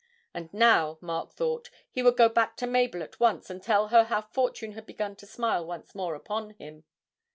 And now, Mark thought, he would go back to Mabel at once and tell her how Fortune had begun to smile once more upon him.